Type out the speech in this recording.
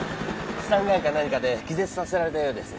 スタンガンか何かで気絶させられたようです。